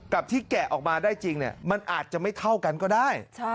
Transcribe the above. กับที่แกะออกมาได้จริงมันอาจจะไม่เท่ากันก็ได้